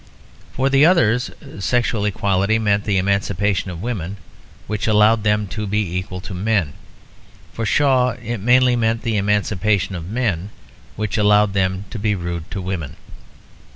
For the others sex equality meant the emancipation of women, which allowed them to be equal to men. For Shaw it mainly meant the emancipation of men, which allowed them to be rude to women.